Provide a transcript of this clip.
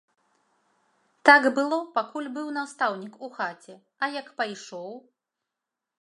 Так было, пакуль быў настаўнік у хаце, а як пайшоў?